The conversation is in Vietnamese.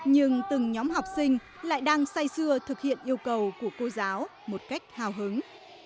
nhưng từng nhóm học sinh lại đang say xưa thực hiện yêu cầu của cô giáo một cách hào hứng